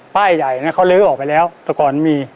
ป้ายใหญ่เขาลื้อออกไปแล้วทุกวันมี